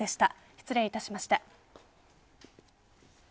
失礼いたしました。